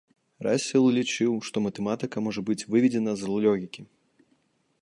Расел лічыў, што матэматыка можа быць выведзена з логікі.